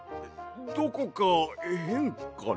どこかへんかな？